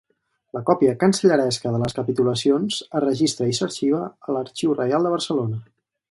La còpia cancelleresca de les capitulacions es registra i s'arxiva a l'Arxiu Reial de Barcelona.